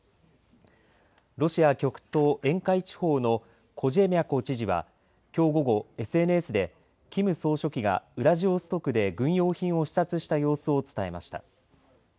ロシア極東沿海地方のコジェミャコ知事はきょう午後ＳＮＳでキム総書記がウラジオストクで軍用品を視察した様子を伝えました。